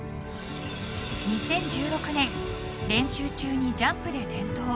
２０１６年練習中にジャンプで転倒。